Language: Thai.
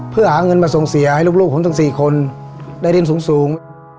เพื่อหาเงินมาส่งเสียให้ลูกผมทั้ง๔คนได้เรียนสูง